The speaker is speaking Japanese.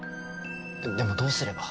でもどうすれば。